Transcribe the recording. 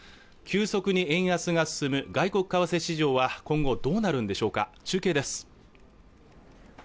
急速に円安が進む外国為替市場は今後どうなるんでしょうか中継です